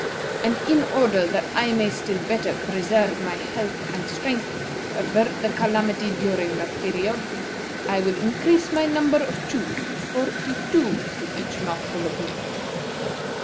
And in order that I may still better preserve my health and strength to avert the calamity during that period, I will increase my number of chews to forty two to each mouthful of meat."